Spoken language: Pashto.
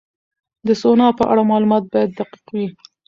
د سونا په اړه معلومات باید دقیق وي.